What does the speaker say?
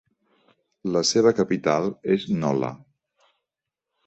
La seva capital és Nola.